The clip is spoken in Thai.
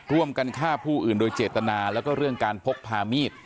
ร่วมกันฆ่าผู้อื่นโดยเจตนาแล้วก็เรื่องการพกพามีด